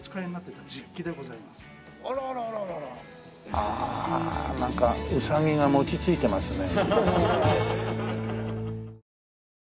ああなんかウサギが餅ついてますね。